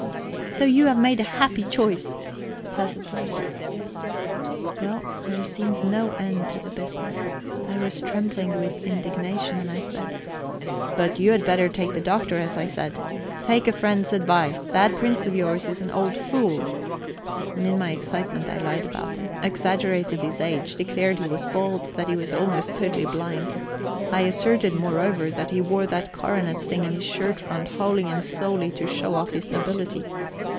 "So you have made a happy choice," says Edwarda. Well, there seemed no end to the business. I was trembling with indignation, and I said: "But you had better take the Doctor, as I said. Take a friend's advice; that prince of yours is an old fool." And in my excitement I lied about him, exaggerated his age, declared he was bald, that he was almost totally blind; I asserted, moreover, that he wore that coronet thing in his shirt front wholly and solely to show off his nobility.